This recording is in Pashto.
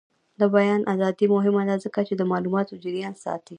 د بیان ازادي مهمه ده ځکه چې د معلوماتو جریان ساتي.